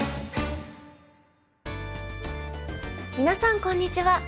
皆さんこんにちは。